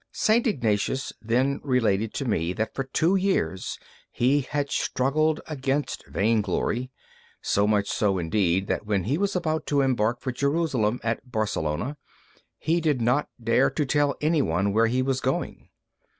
St. Ignatius then related to me that for two years he had struggled against vain glory; so much so, indeed, that when he was about to embark for Jerusalem at Barcelona he did not dare to tell any one where he was going.